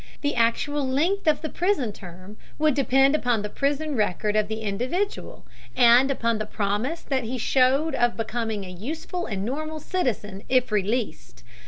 The actual length of the prison term would depend upon the prison record of the individual, and upon the promise that he showed of becoming a useful and normal citizen if released.